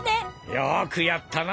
よくやったな！